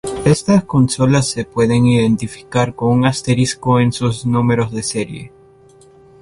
Estas consolas se pueden identificar con un asterisco en sus números de serie.